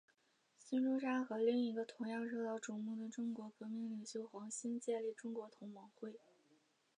孙中山和另一个同样受到瞩目的中国革命领袖黄兴建立中国同盟会。